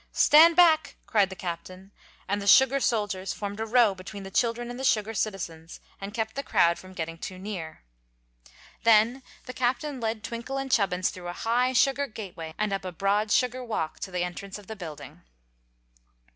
"Stand back!" cried the Captain, and the sugar soldiers formed a row between the children and the sugar citizens, and kept the crowd from getting too near. Then the Captain led Twinkle and Chubbins through a high sugar gateway and up a broad sugar walk to the entrance of the building.